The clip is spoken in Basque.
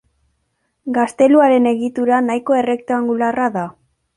Gazteluaren egitura nahiko errektangularra da.